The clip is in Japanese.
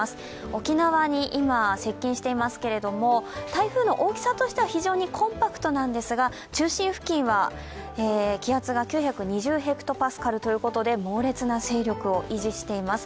沖縄に今、接近していますけれども台風の大きさとしては非常にコンパクトなんですが中心付近は気圧が９２０ｈＰａということで猛烈な勢力を維持しています。